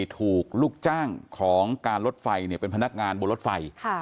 ถูกลูกจ้างของการรถไฟเป็นพนักงานบนรถไฟ